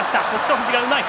富士がうまい。